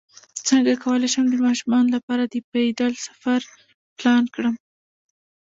څنګه کولی شم د ماشومانو لپاره د پیدل سفر پلان کړم